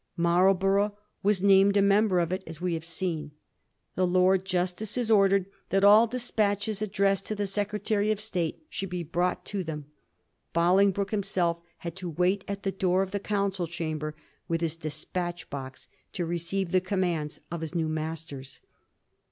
Marlborough was named a member of it, as we have seen. The Lords Justices ordered that all despatches addressed to the Secretary of State should be brought to them. Bolingbroke himself had to wait at the door of the Council Chamber with his despatch box, to receive the commands of his new masters.